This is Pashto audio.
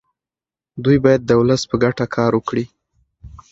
دوی باید د ولس په ګټه کار وکړي.